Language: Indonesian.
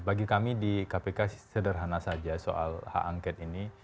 bagi kami di kpk sederhana saja soal hak angket ini